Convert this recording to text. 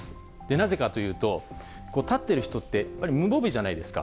なぜかというと、立っている人って、やっぱり無防備じゃないですか。